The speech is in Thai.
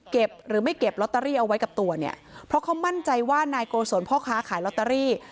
หรือไม่เก็บลอตเตอรี่เอาไว้กับตัวเนี่ยเพราะเขามั่นใจว่านายโกศลพ่อค้าขายลอตเตอรี่